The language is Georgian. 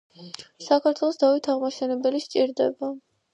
საქართველოს დავით აღმაშენებელი სჭირდება !!!!